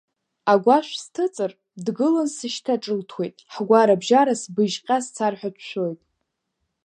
Агәашә сҭыҵыр, дгылан сышьҭаҿылҭуеит, ҳгәарабжьара сбыжьҟьа сцар ҳәа дшәоит.